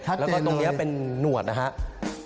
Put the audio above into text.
ชัดเจนเลยแล้วก็ตรงนี้เป็นหนวดนะครับชัดเจนเลย